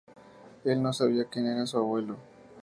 Él no sabía quien era su abuelo.